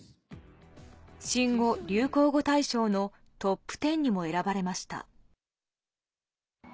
新語・流行語大賞のトップ１０にも選ばれました。